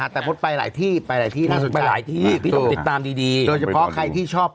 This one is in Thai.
ถ้าปิดอีกนี่กว่าจะต้องพิจารณาตัวเองเลยนะ